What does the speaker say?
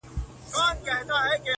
چي ښکلي سترګي ستا وویني،